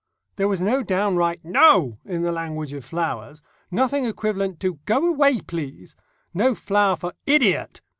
There was no downright "No!" in the language of flowers, nothing equivalent to "Go away, please," no flower for "Idiot!"